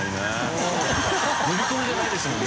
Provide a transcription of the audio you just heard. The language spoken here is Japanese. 呼び込みじゃないですもんね。